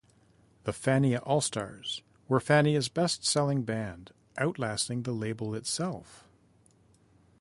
The Fania All-Stars were Fania's best selling band, outlasting the label itself.